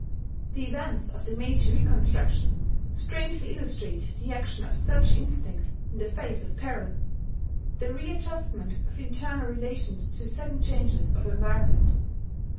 The events of the Meiji reconstruction strangely illustrate the action of such instinct in the face of peril, the readjustment of internal relations to sudden changes of environment.